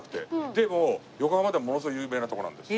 でも横浜ではものすごい有名なとこなんです。